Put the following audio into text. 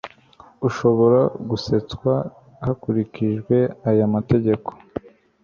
Ushobora guseswa hakurikijwe aya mategeko